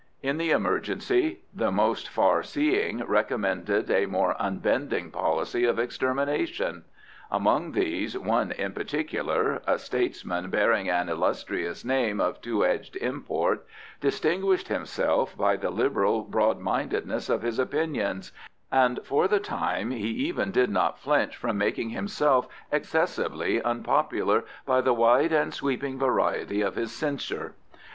In the emergency the most far seeing recommended a more unbending policy of extermination. Among these, one in particular, a statesman bearing an illustrious name of two edged import, distinguished himself by the liberal broad mindedness of his opinions, and for the time he even did not flinch from making himself excessively unpopular by the wide and sweeping variety of his censure.